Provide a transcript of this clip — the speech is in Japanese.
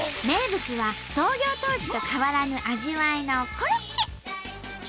名物は創業当時と変わらぬ味わいのコロッケ！